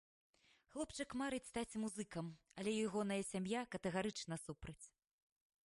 Хлопчык марыць стаць музыкам, але ягоная сям'я катэгарычна супраць.